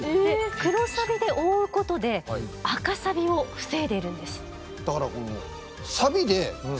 黒サビで覆うことで赤サビを防いでいるんです。